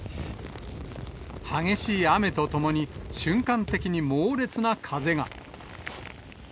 激しい雨とともに、瞬間的に猛烈な風が。